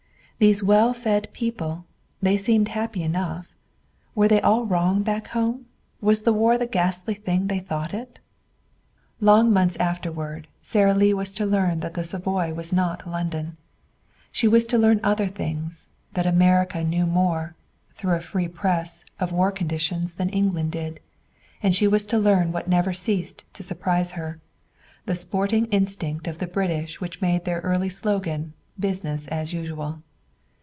These well fed people they seemed happy enough. Were they all wrong back home? Was the war the ghastly thing they thought it? Long months afterward Sara Lee was to learn that the Savoy was not London. She was to learn other things that America knew more, through a free press, of war conditions than did England. And she was to learn what never ceased to surprise her the sporting instinct of the British which made their early slogan "Business as usual."